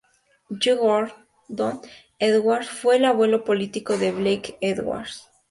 J. Gordon Edwards fue el abuelo político de Blake Edwards.